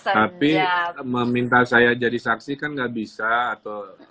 tapi meminta saya jadi saksi kan nggak bisa atau